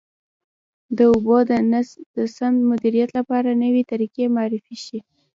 د اوبو د سم مدیریت لپاره نوې طریقې معرفي شي.